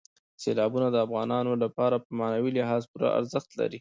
سیلابونه د افغانانو لپاره په معنوي لحاظ پوره ارزښت لري.